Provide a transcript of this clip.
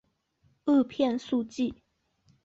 萼片宿存。